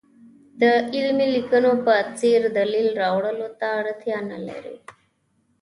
د علمي لیکنو په څېر دلیل راوړلو ته اړتیا نه لري.